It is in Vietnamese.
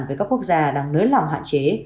với các quốc gia đang nới lòng hạ chế